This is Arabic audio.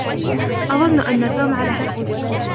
أظن أن توم على حق.